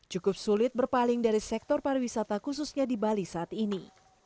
cukup sulit berpaling dari sektor pariwisata khususnya di bali saat ini